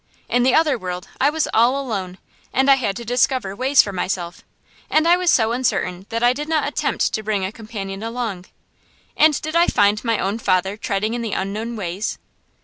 In the other world I was all alone, and I had to discover ways for myself; and I was so uncertain that I did not attempt to bring a companion along. And did I find my own father treading in the unknown ways?